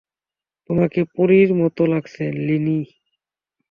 তোমাকে পরির মতো লাগছে, লিনি!